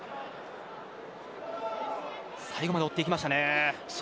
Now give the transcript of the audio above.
最後まで追っていきました。